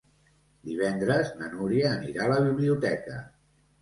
Divendres na Núria anirà a la biblioteca.